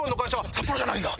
「札幌じゃないんだ！」。